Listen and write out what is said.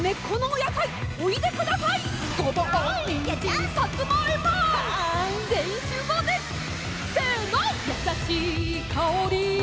「やさしいかおり」「」